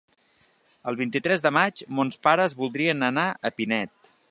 El vint-i-tres de maig mons pares voldrien anar a Pinet.